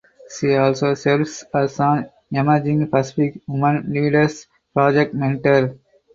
She also serves as an Emerging Pacific Women Leaders Project mentor.